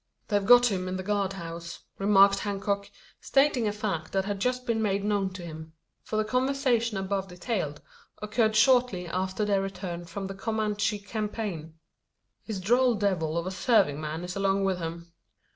"They've got him in the guard house," remarked Hancock, stating a fact that had just been made known to him: for the conversation above detailed occurred shortly after their return from the Comanche campaign. "His droll devil of a serving man is along with him.